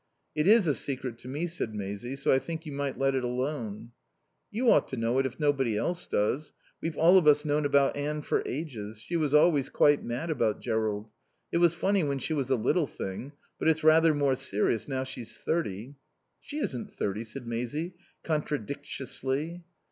"It is a secret to me," said Maisie, "so I think you might let it alone." "You ought to know it if nobody else does. We've all of us known about Anne for ages. She was always quite mad about Jerrold. It was funny when she was a little thing; but it's rather more serious now she's thirty." "She isn't thirty," said Maisie, contradictiously.